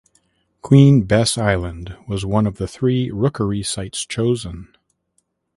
Queen Bess Island was one of three rookery sites chosen.